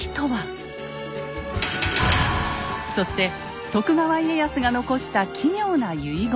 そして徳川家康が残した奇妙な遺言。